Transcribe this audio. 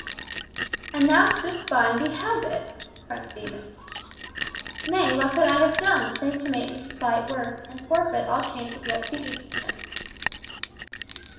"And thou stoodst by, and beheld it!" cried Stephen. "Nay, what could I have done, save to make his plight worse, and forfeit all chance of yet speaking to him?"